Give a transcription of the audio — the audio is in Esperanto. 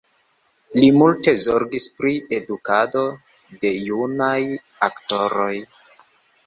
Li multe zorgis pri edukado de junaj aktoroj.